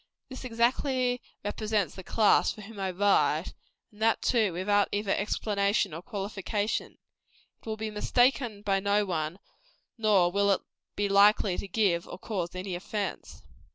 This exactly represents the class for whom I write, and that, too, without either explanation or qualification. It will be mistaken by no one, nor will it be likely to give or cause any offence.